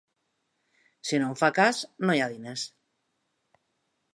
Si no en fa cas… no hi ha diners.